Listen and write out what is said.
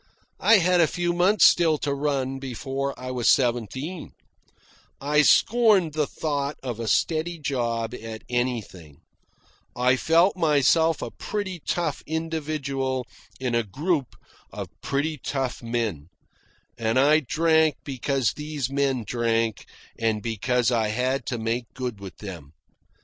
I had a few months still to run before I was seventeen; I scorned the thought of a steady job at anything; I felt myself a pretty tough individual in a group of pretty tough men; and I drank because these men drank and because I had to make good with them.